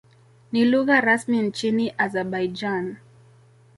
Ni lugha rasmi nchini Azerbaijan.